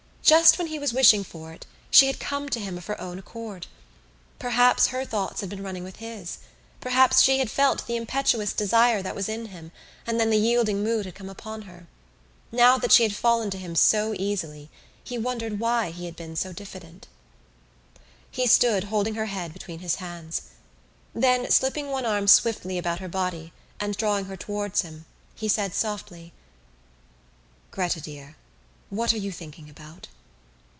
Just when he was wishing for it she had come to him of her own accord. Perhaps her thoughts had been running with his. Perhaps she had felt the impetuous desire that was in him, and then the yielding mood had come upon her. Now that she had fallen to him so easily, he wondered why he had been so diffident. He stood, holding her head between his hands. Then, slipping one arm swiftly about her body and drawing her towards him, he said softly: "Gretta, dear, what are you thinking about?"